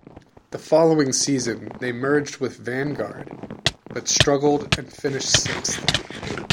The following season, they merged with Vanguard, but struggled and finished sixth.